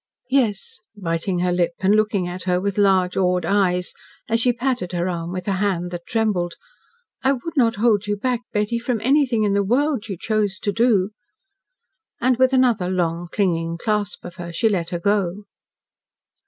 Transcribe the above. "Yes," biting her lip, and looking at her with large, awed eyes, as she patted her arm with a hand that trembled. "I would not hold you back, Betty, from anything in the world you chose to do." And with another long, clinging clasp of her, she let her go.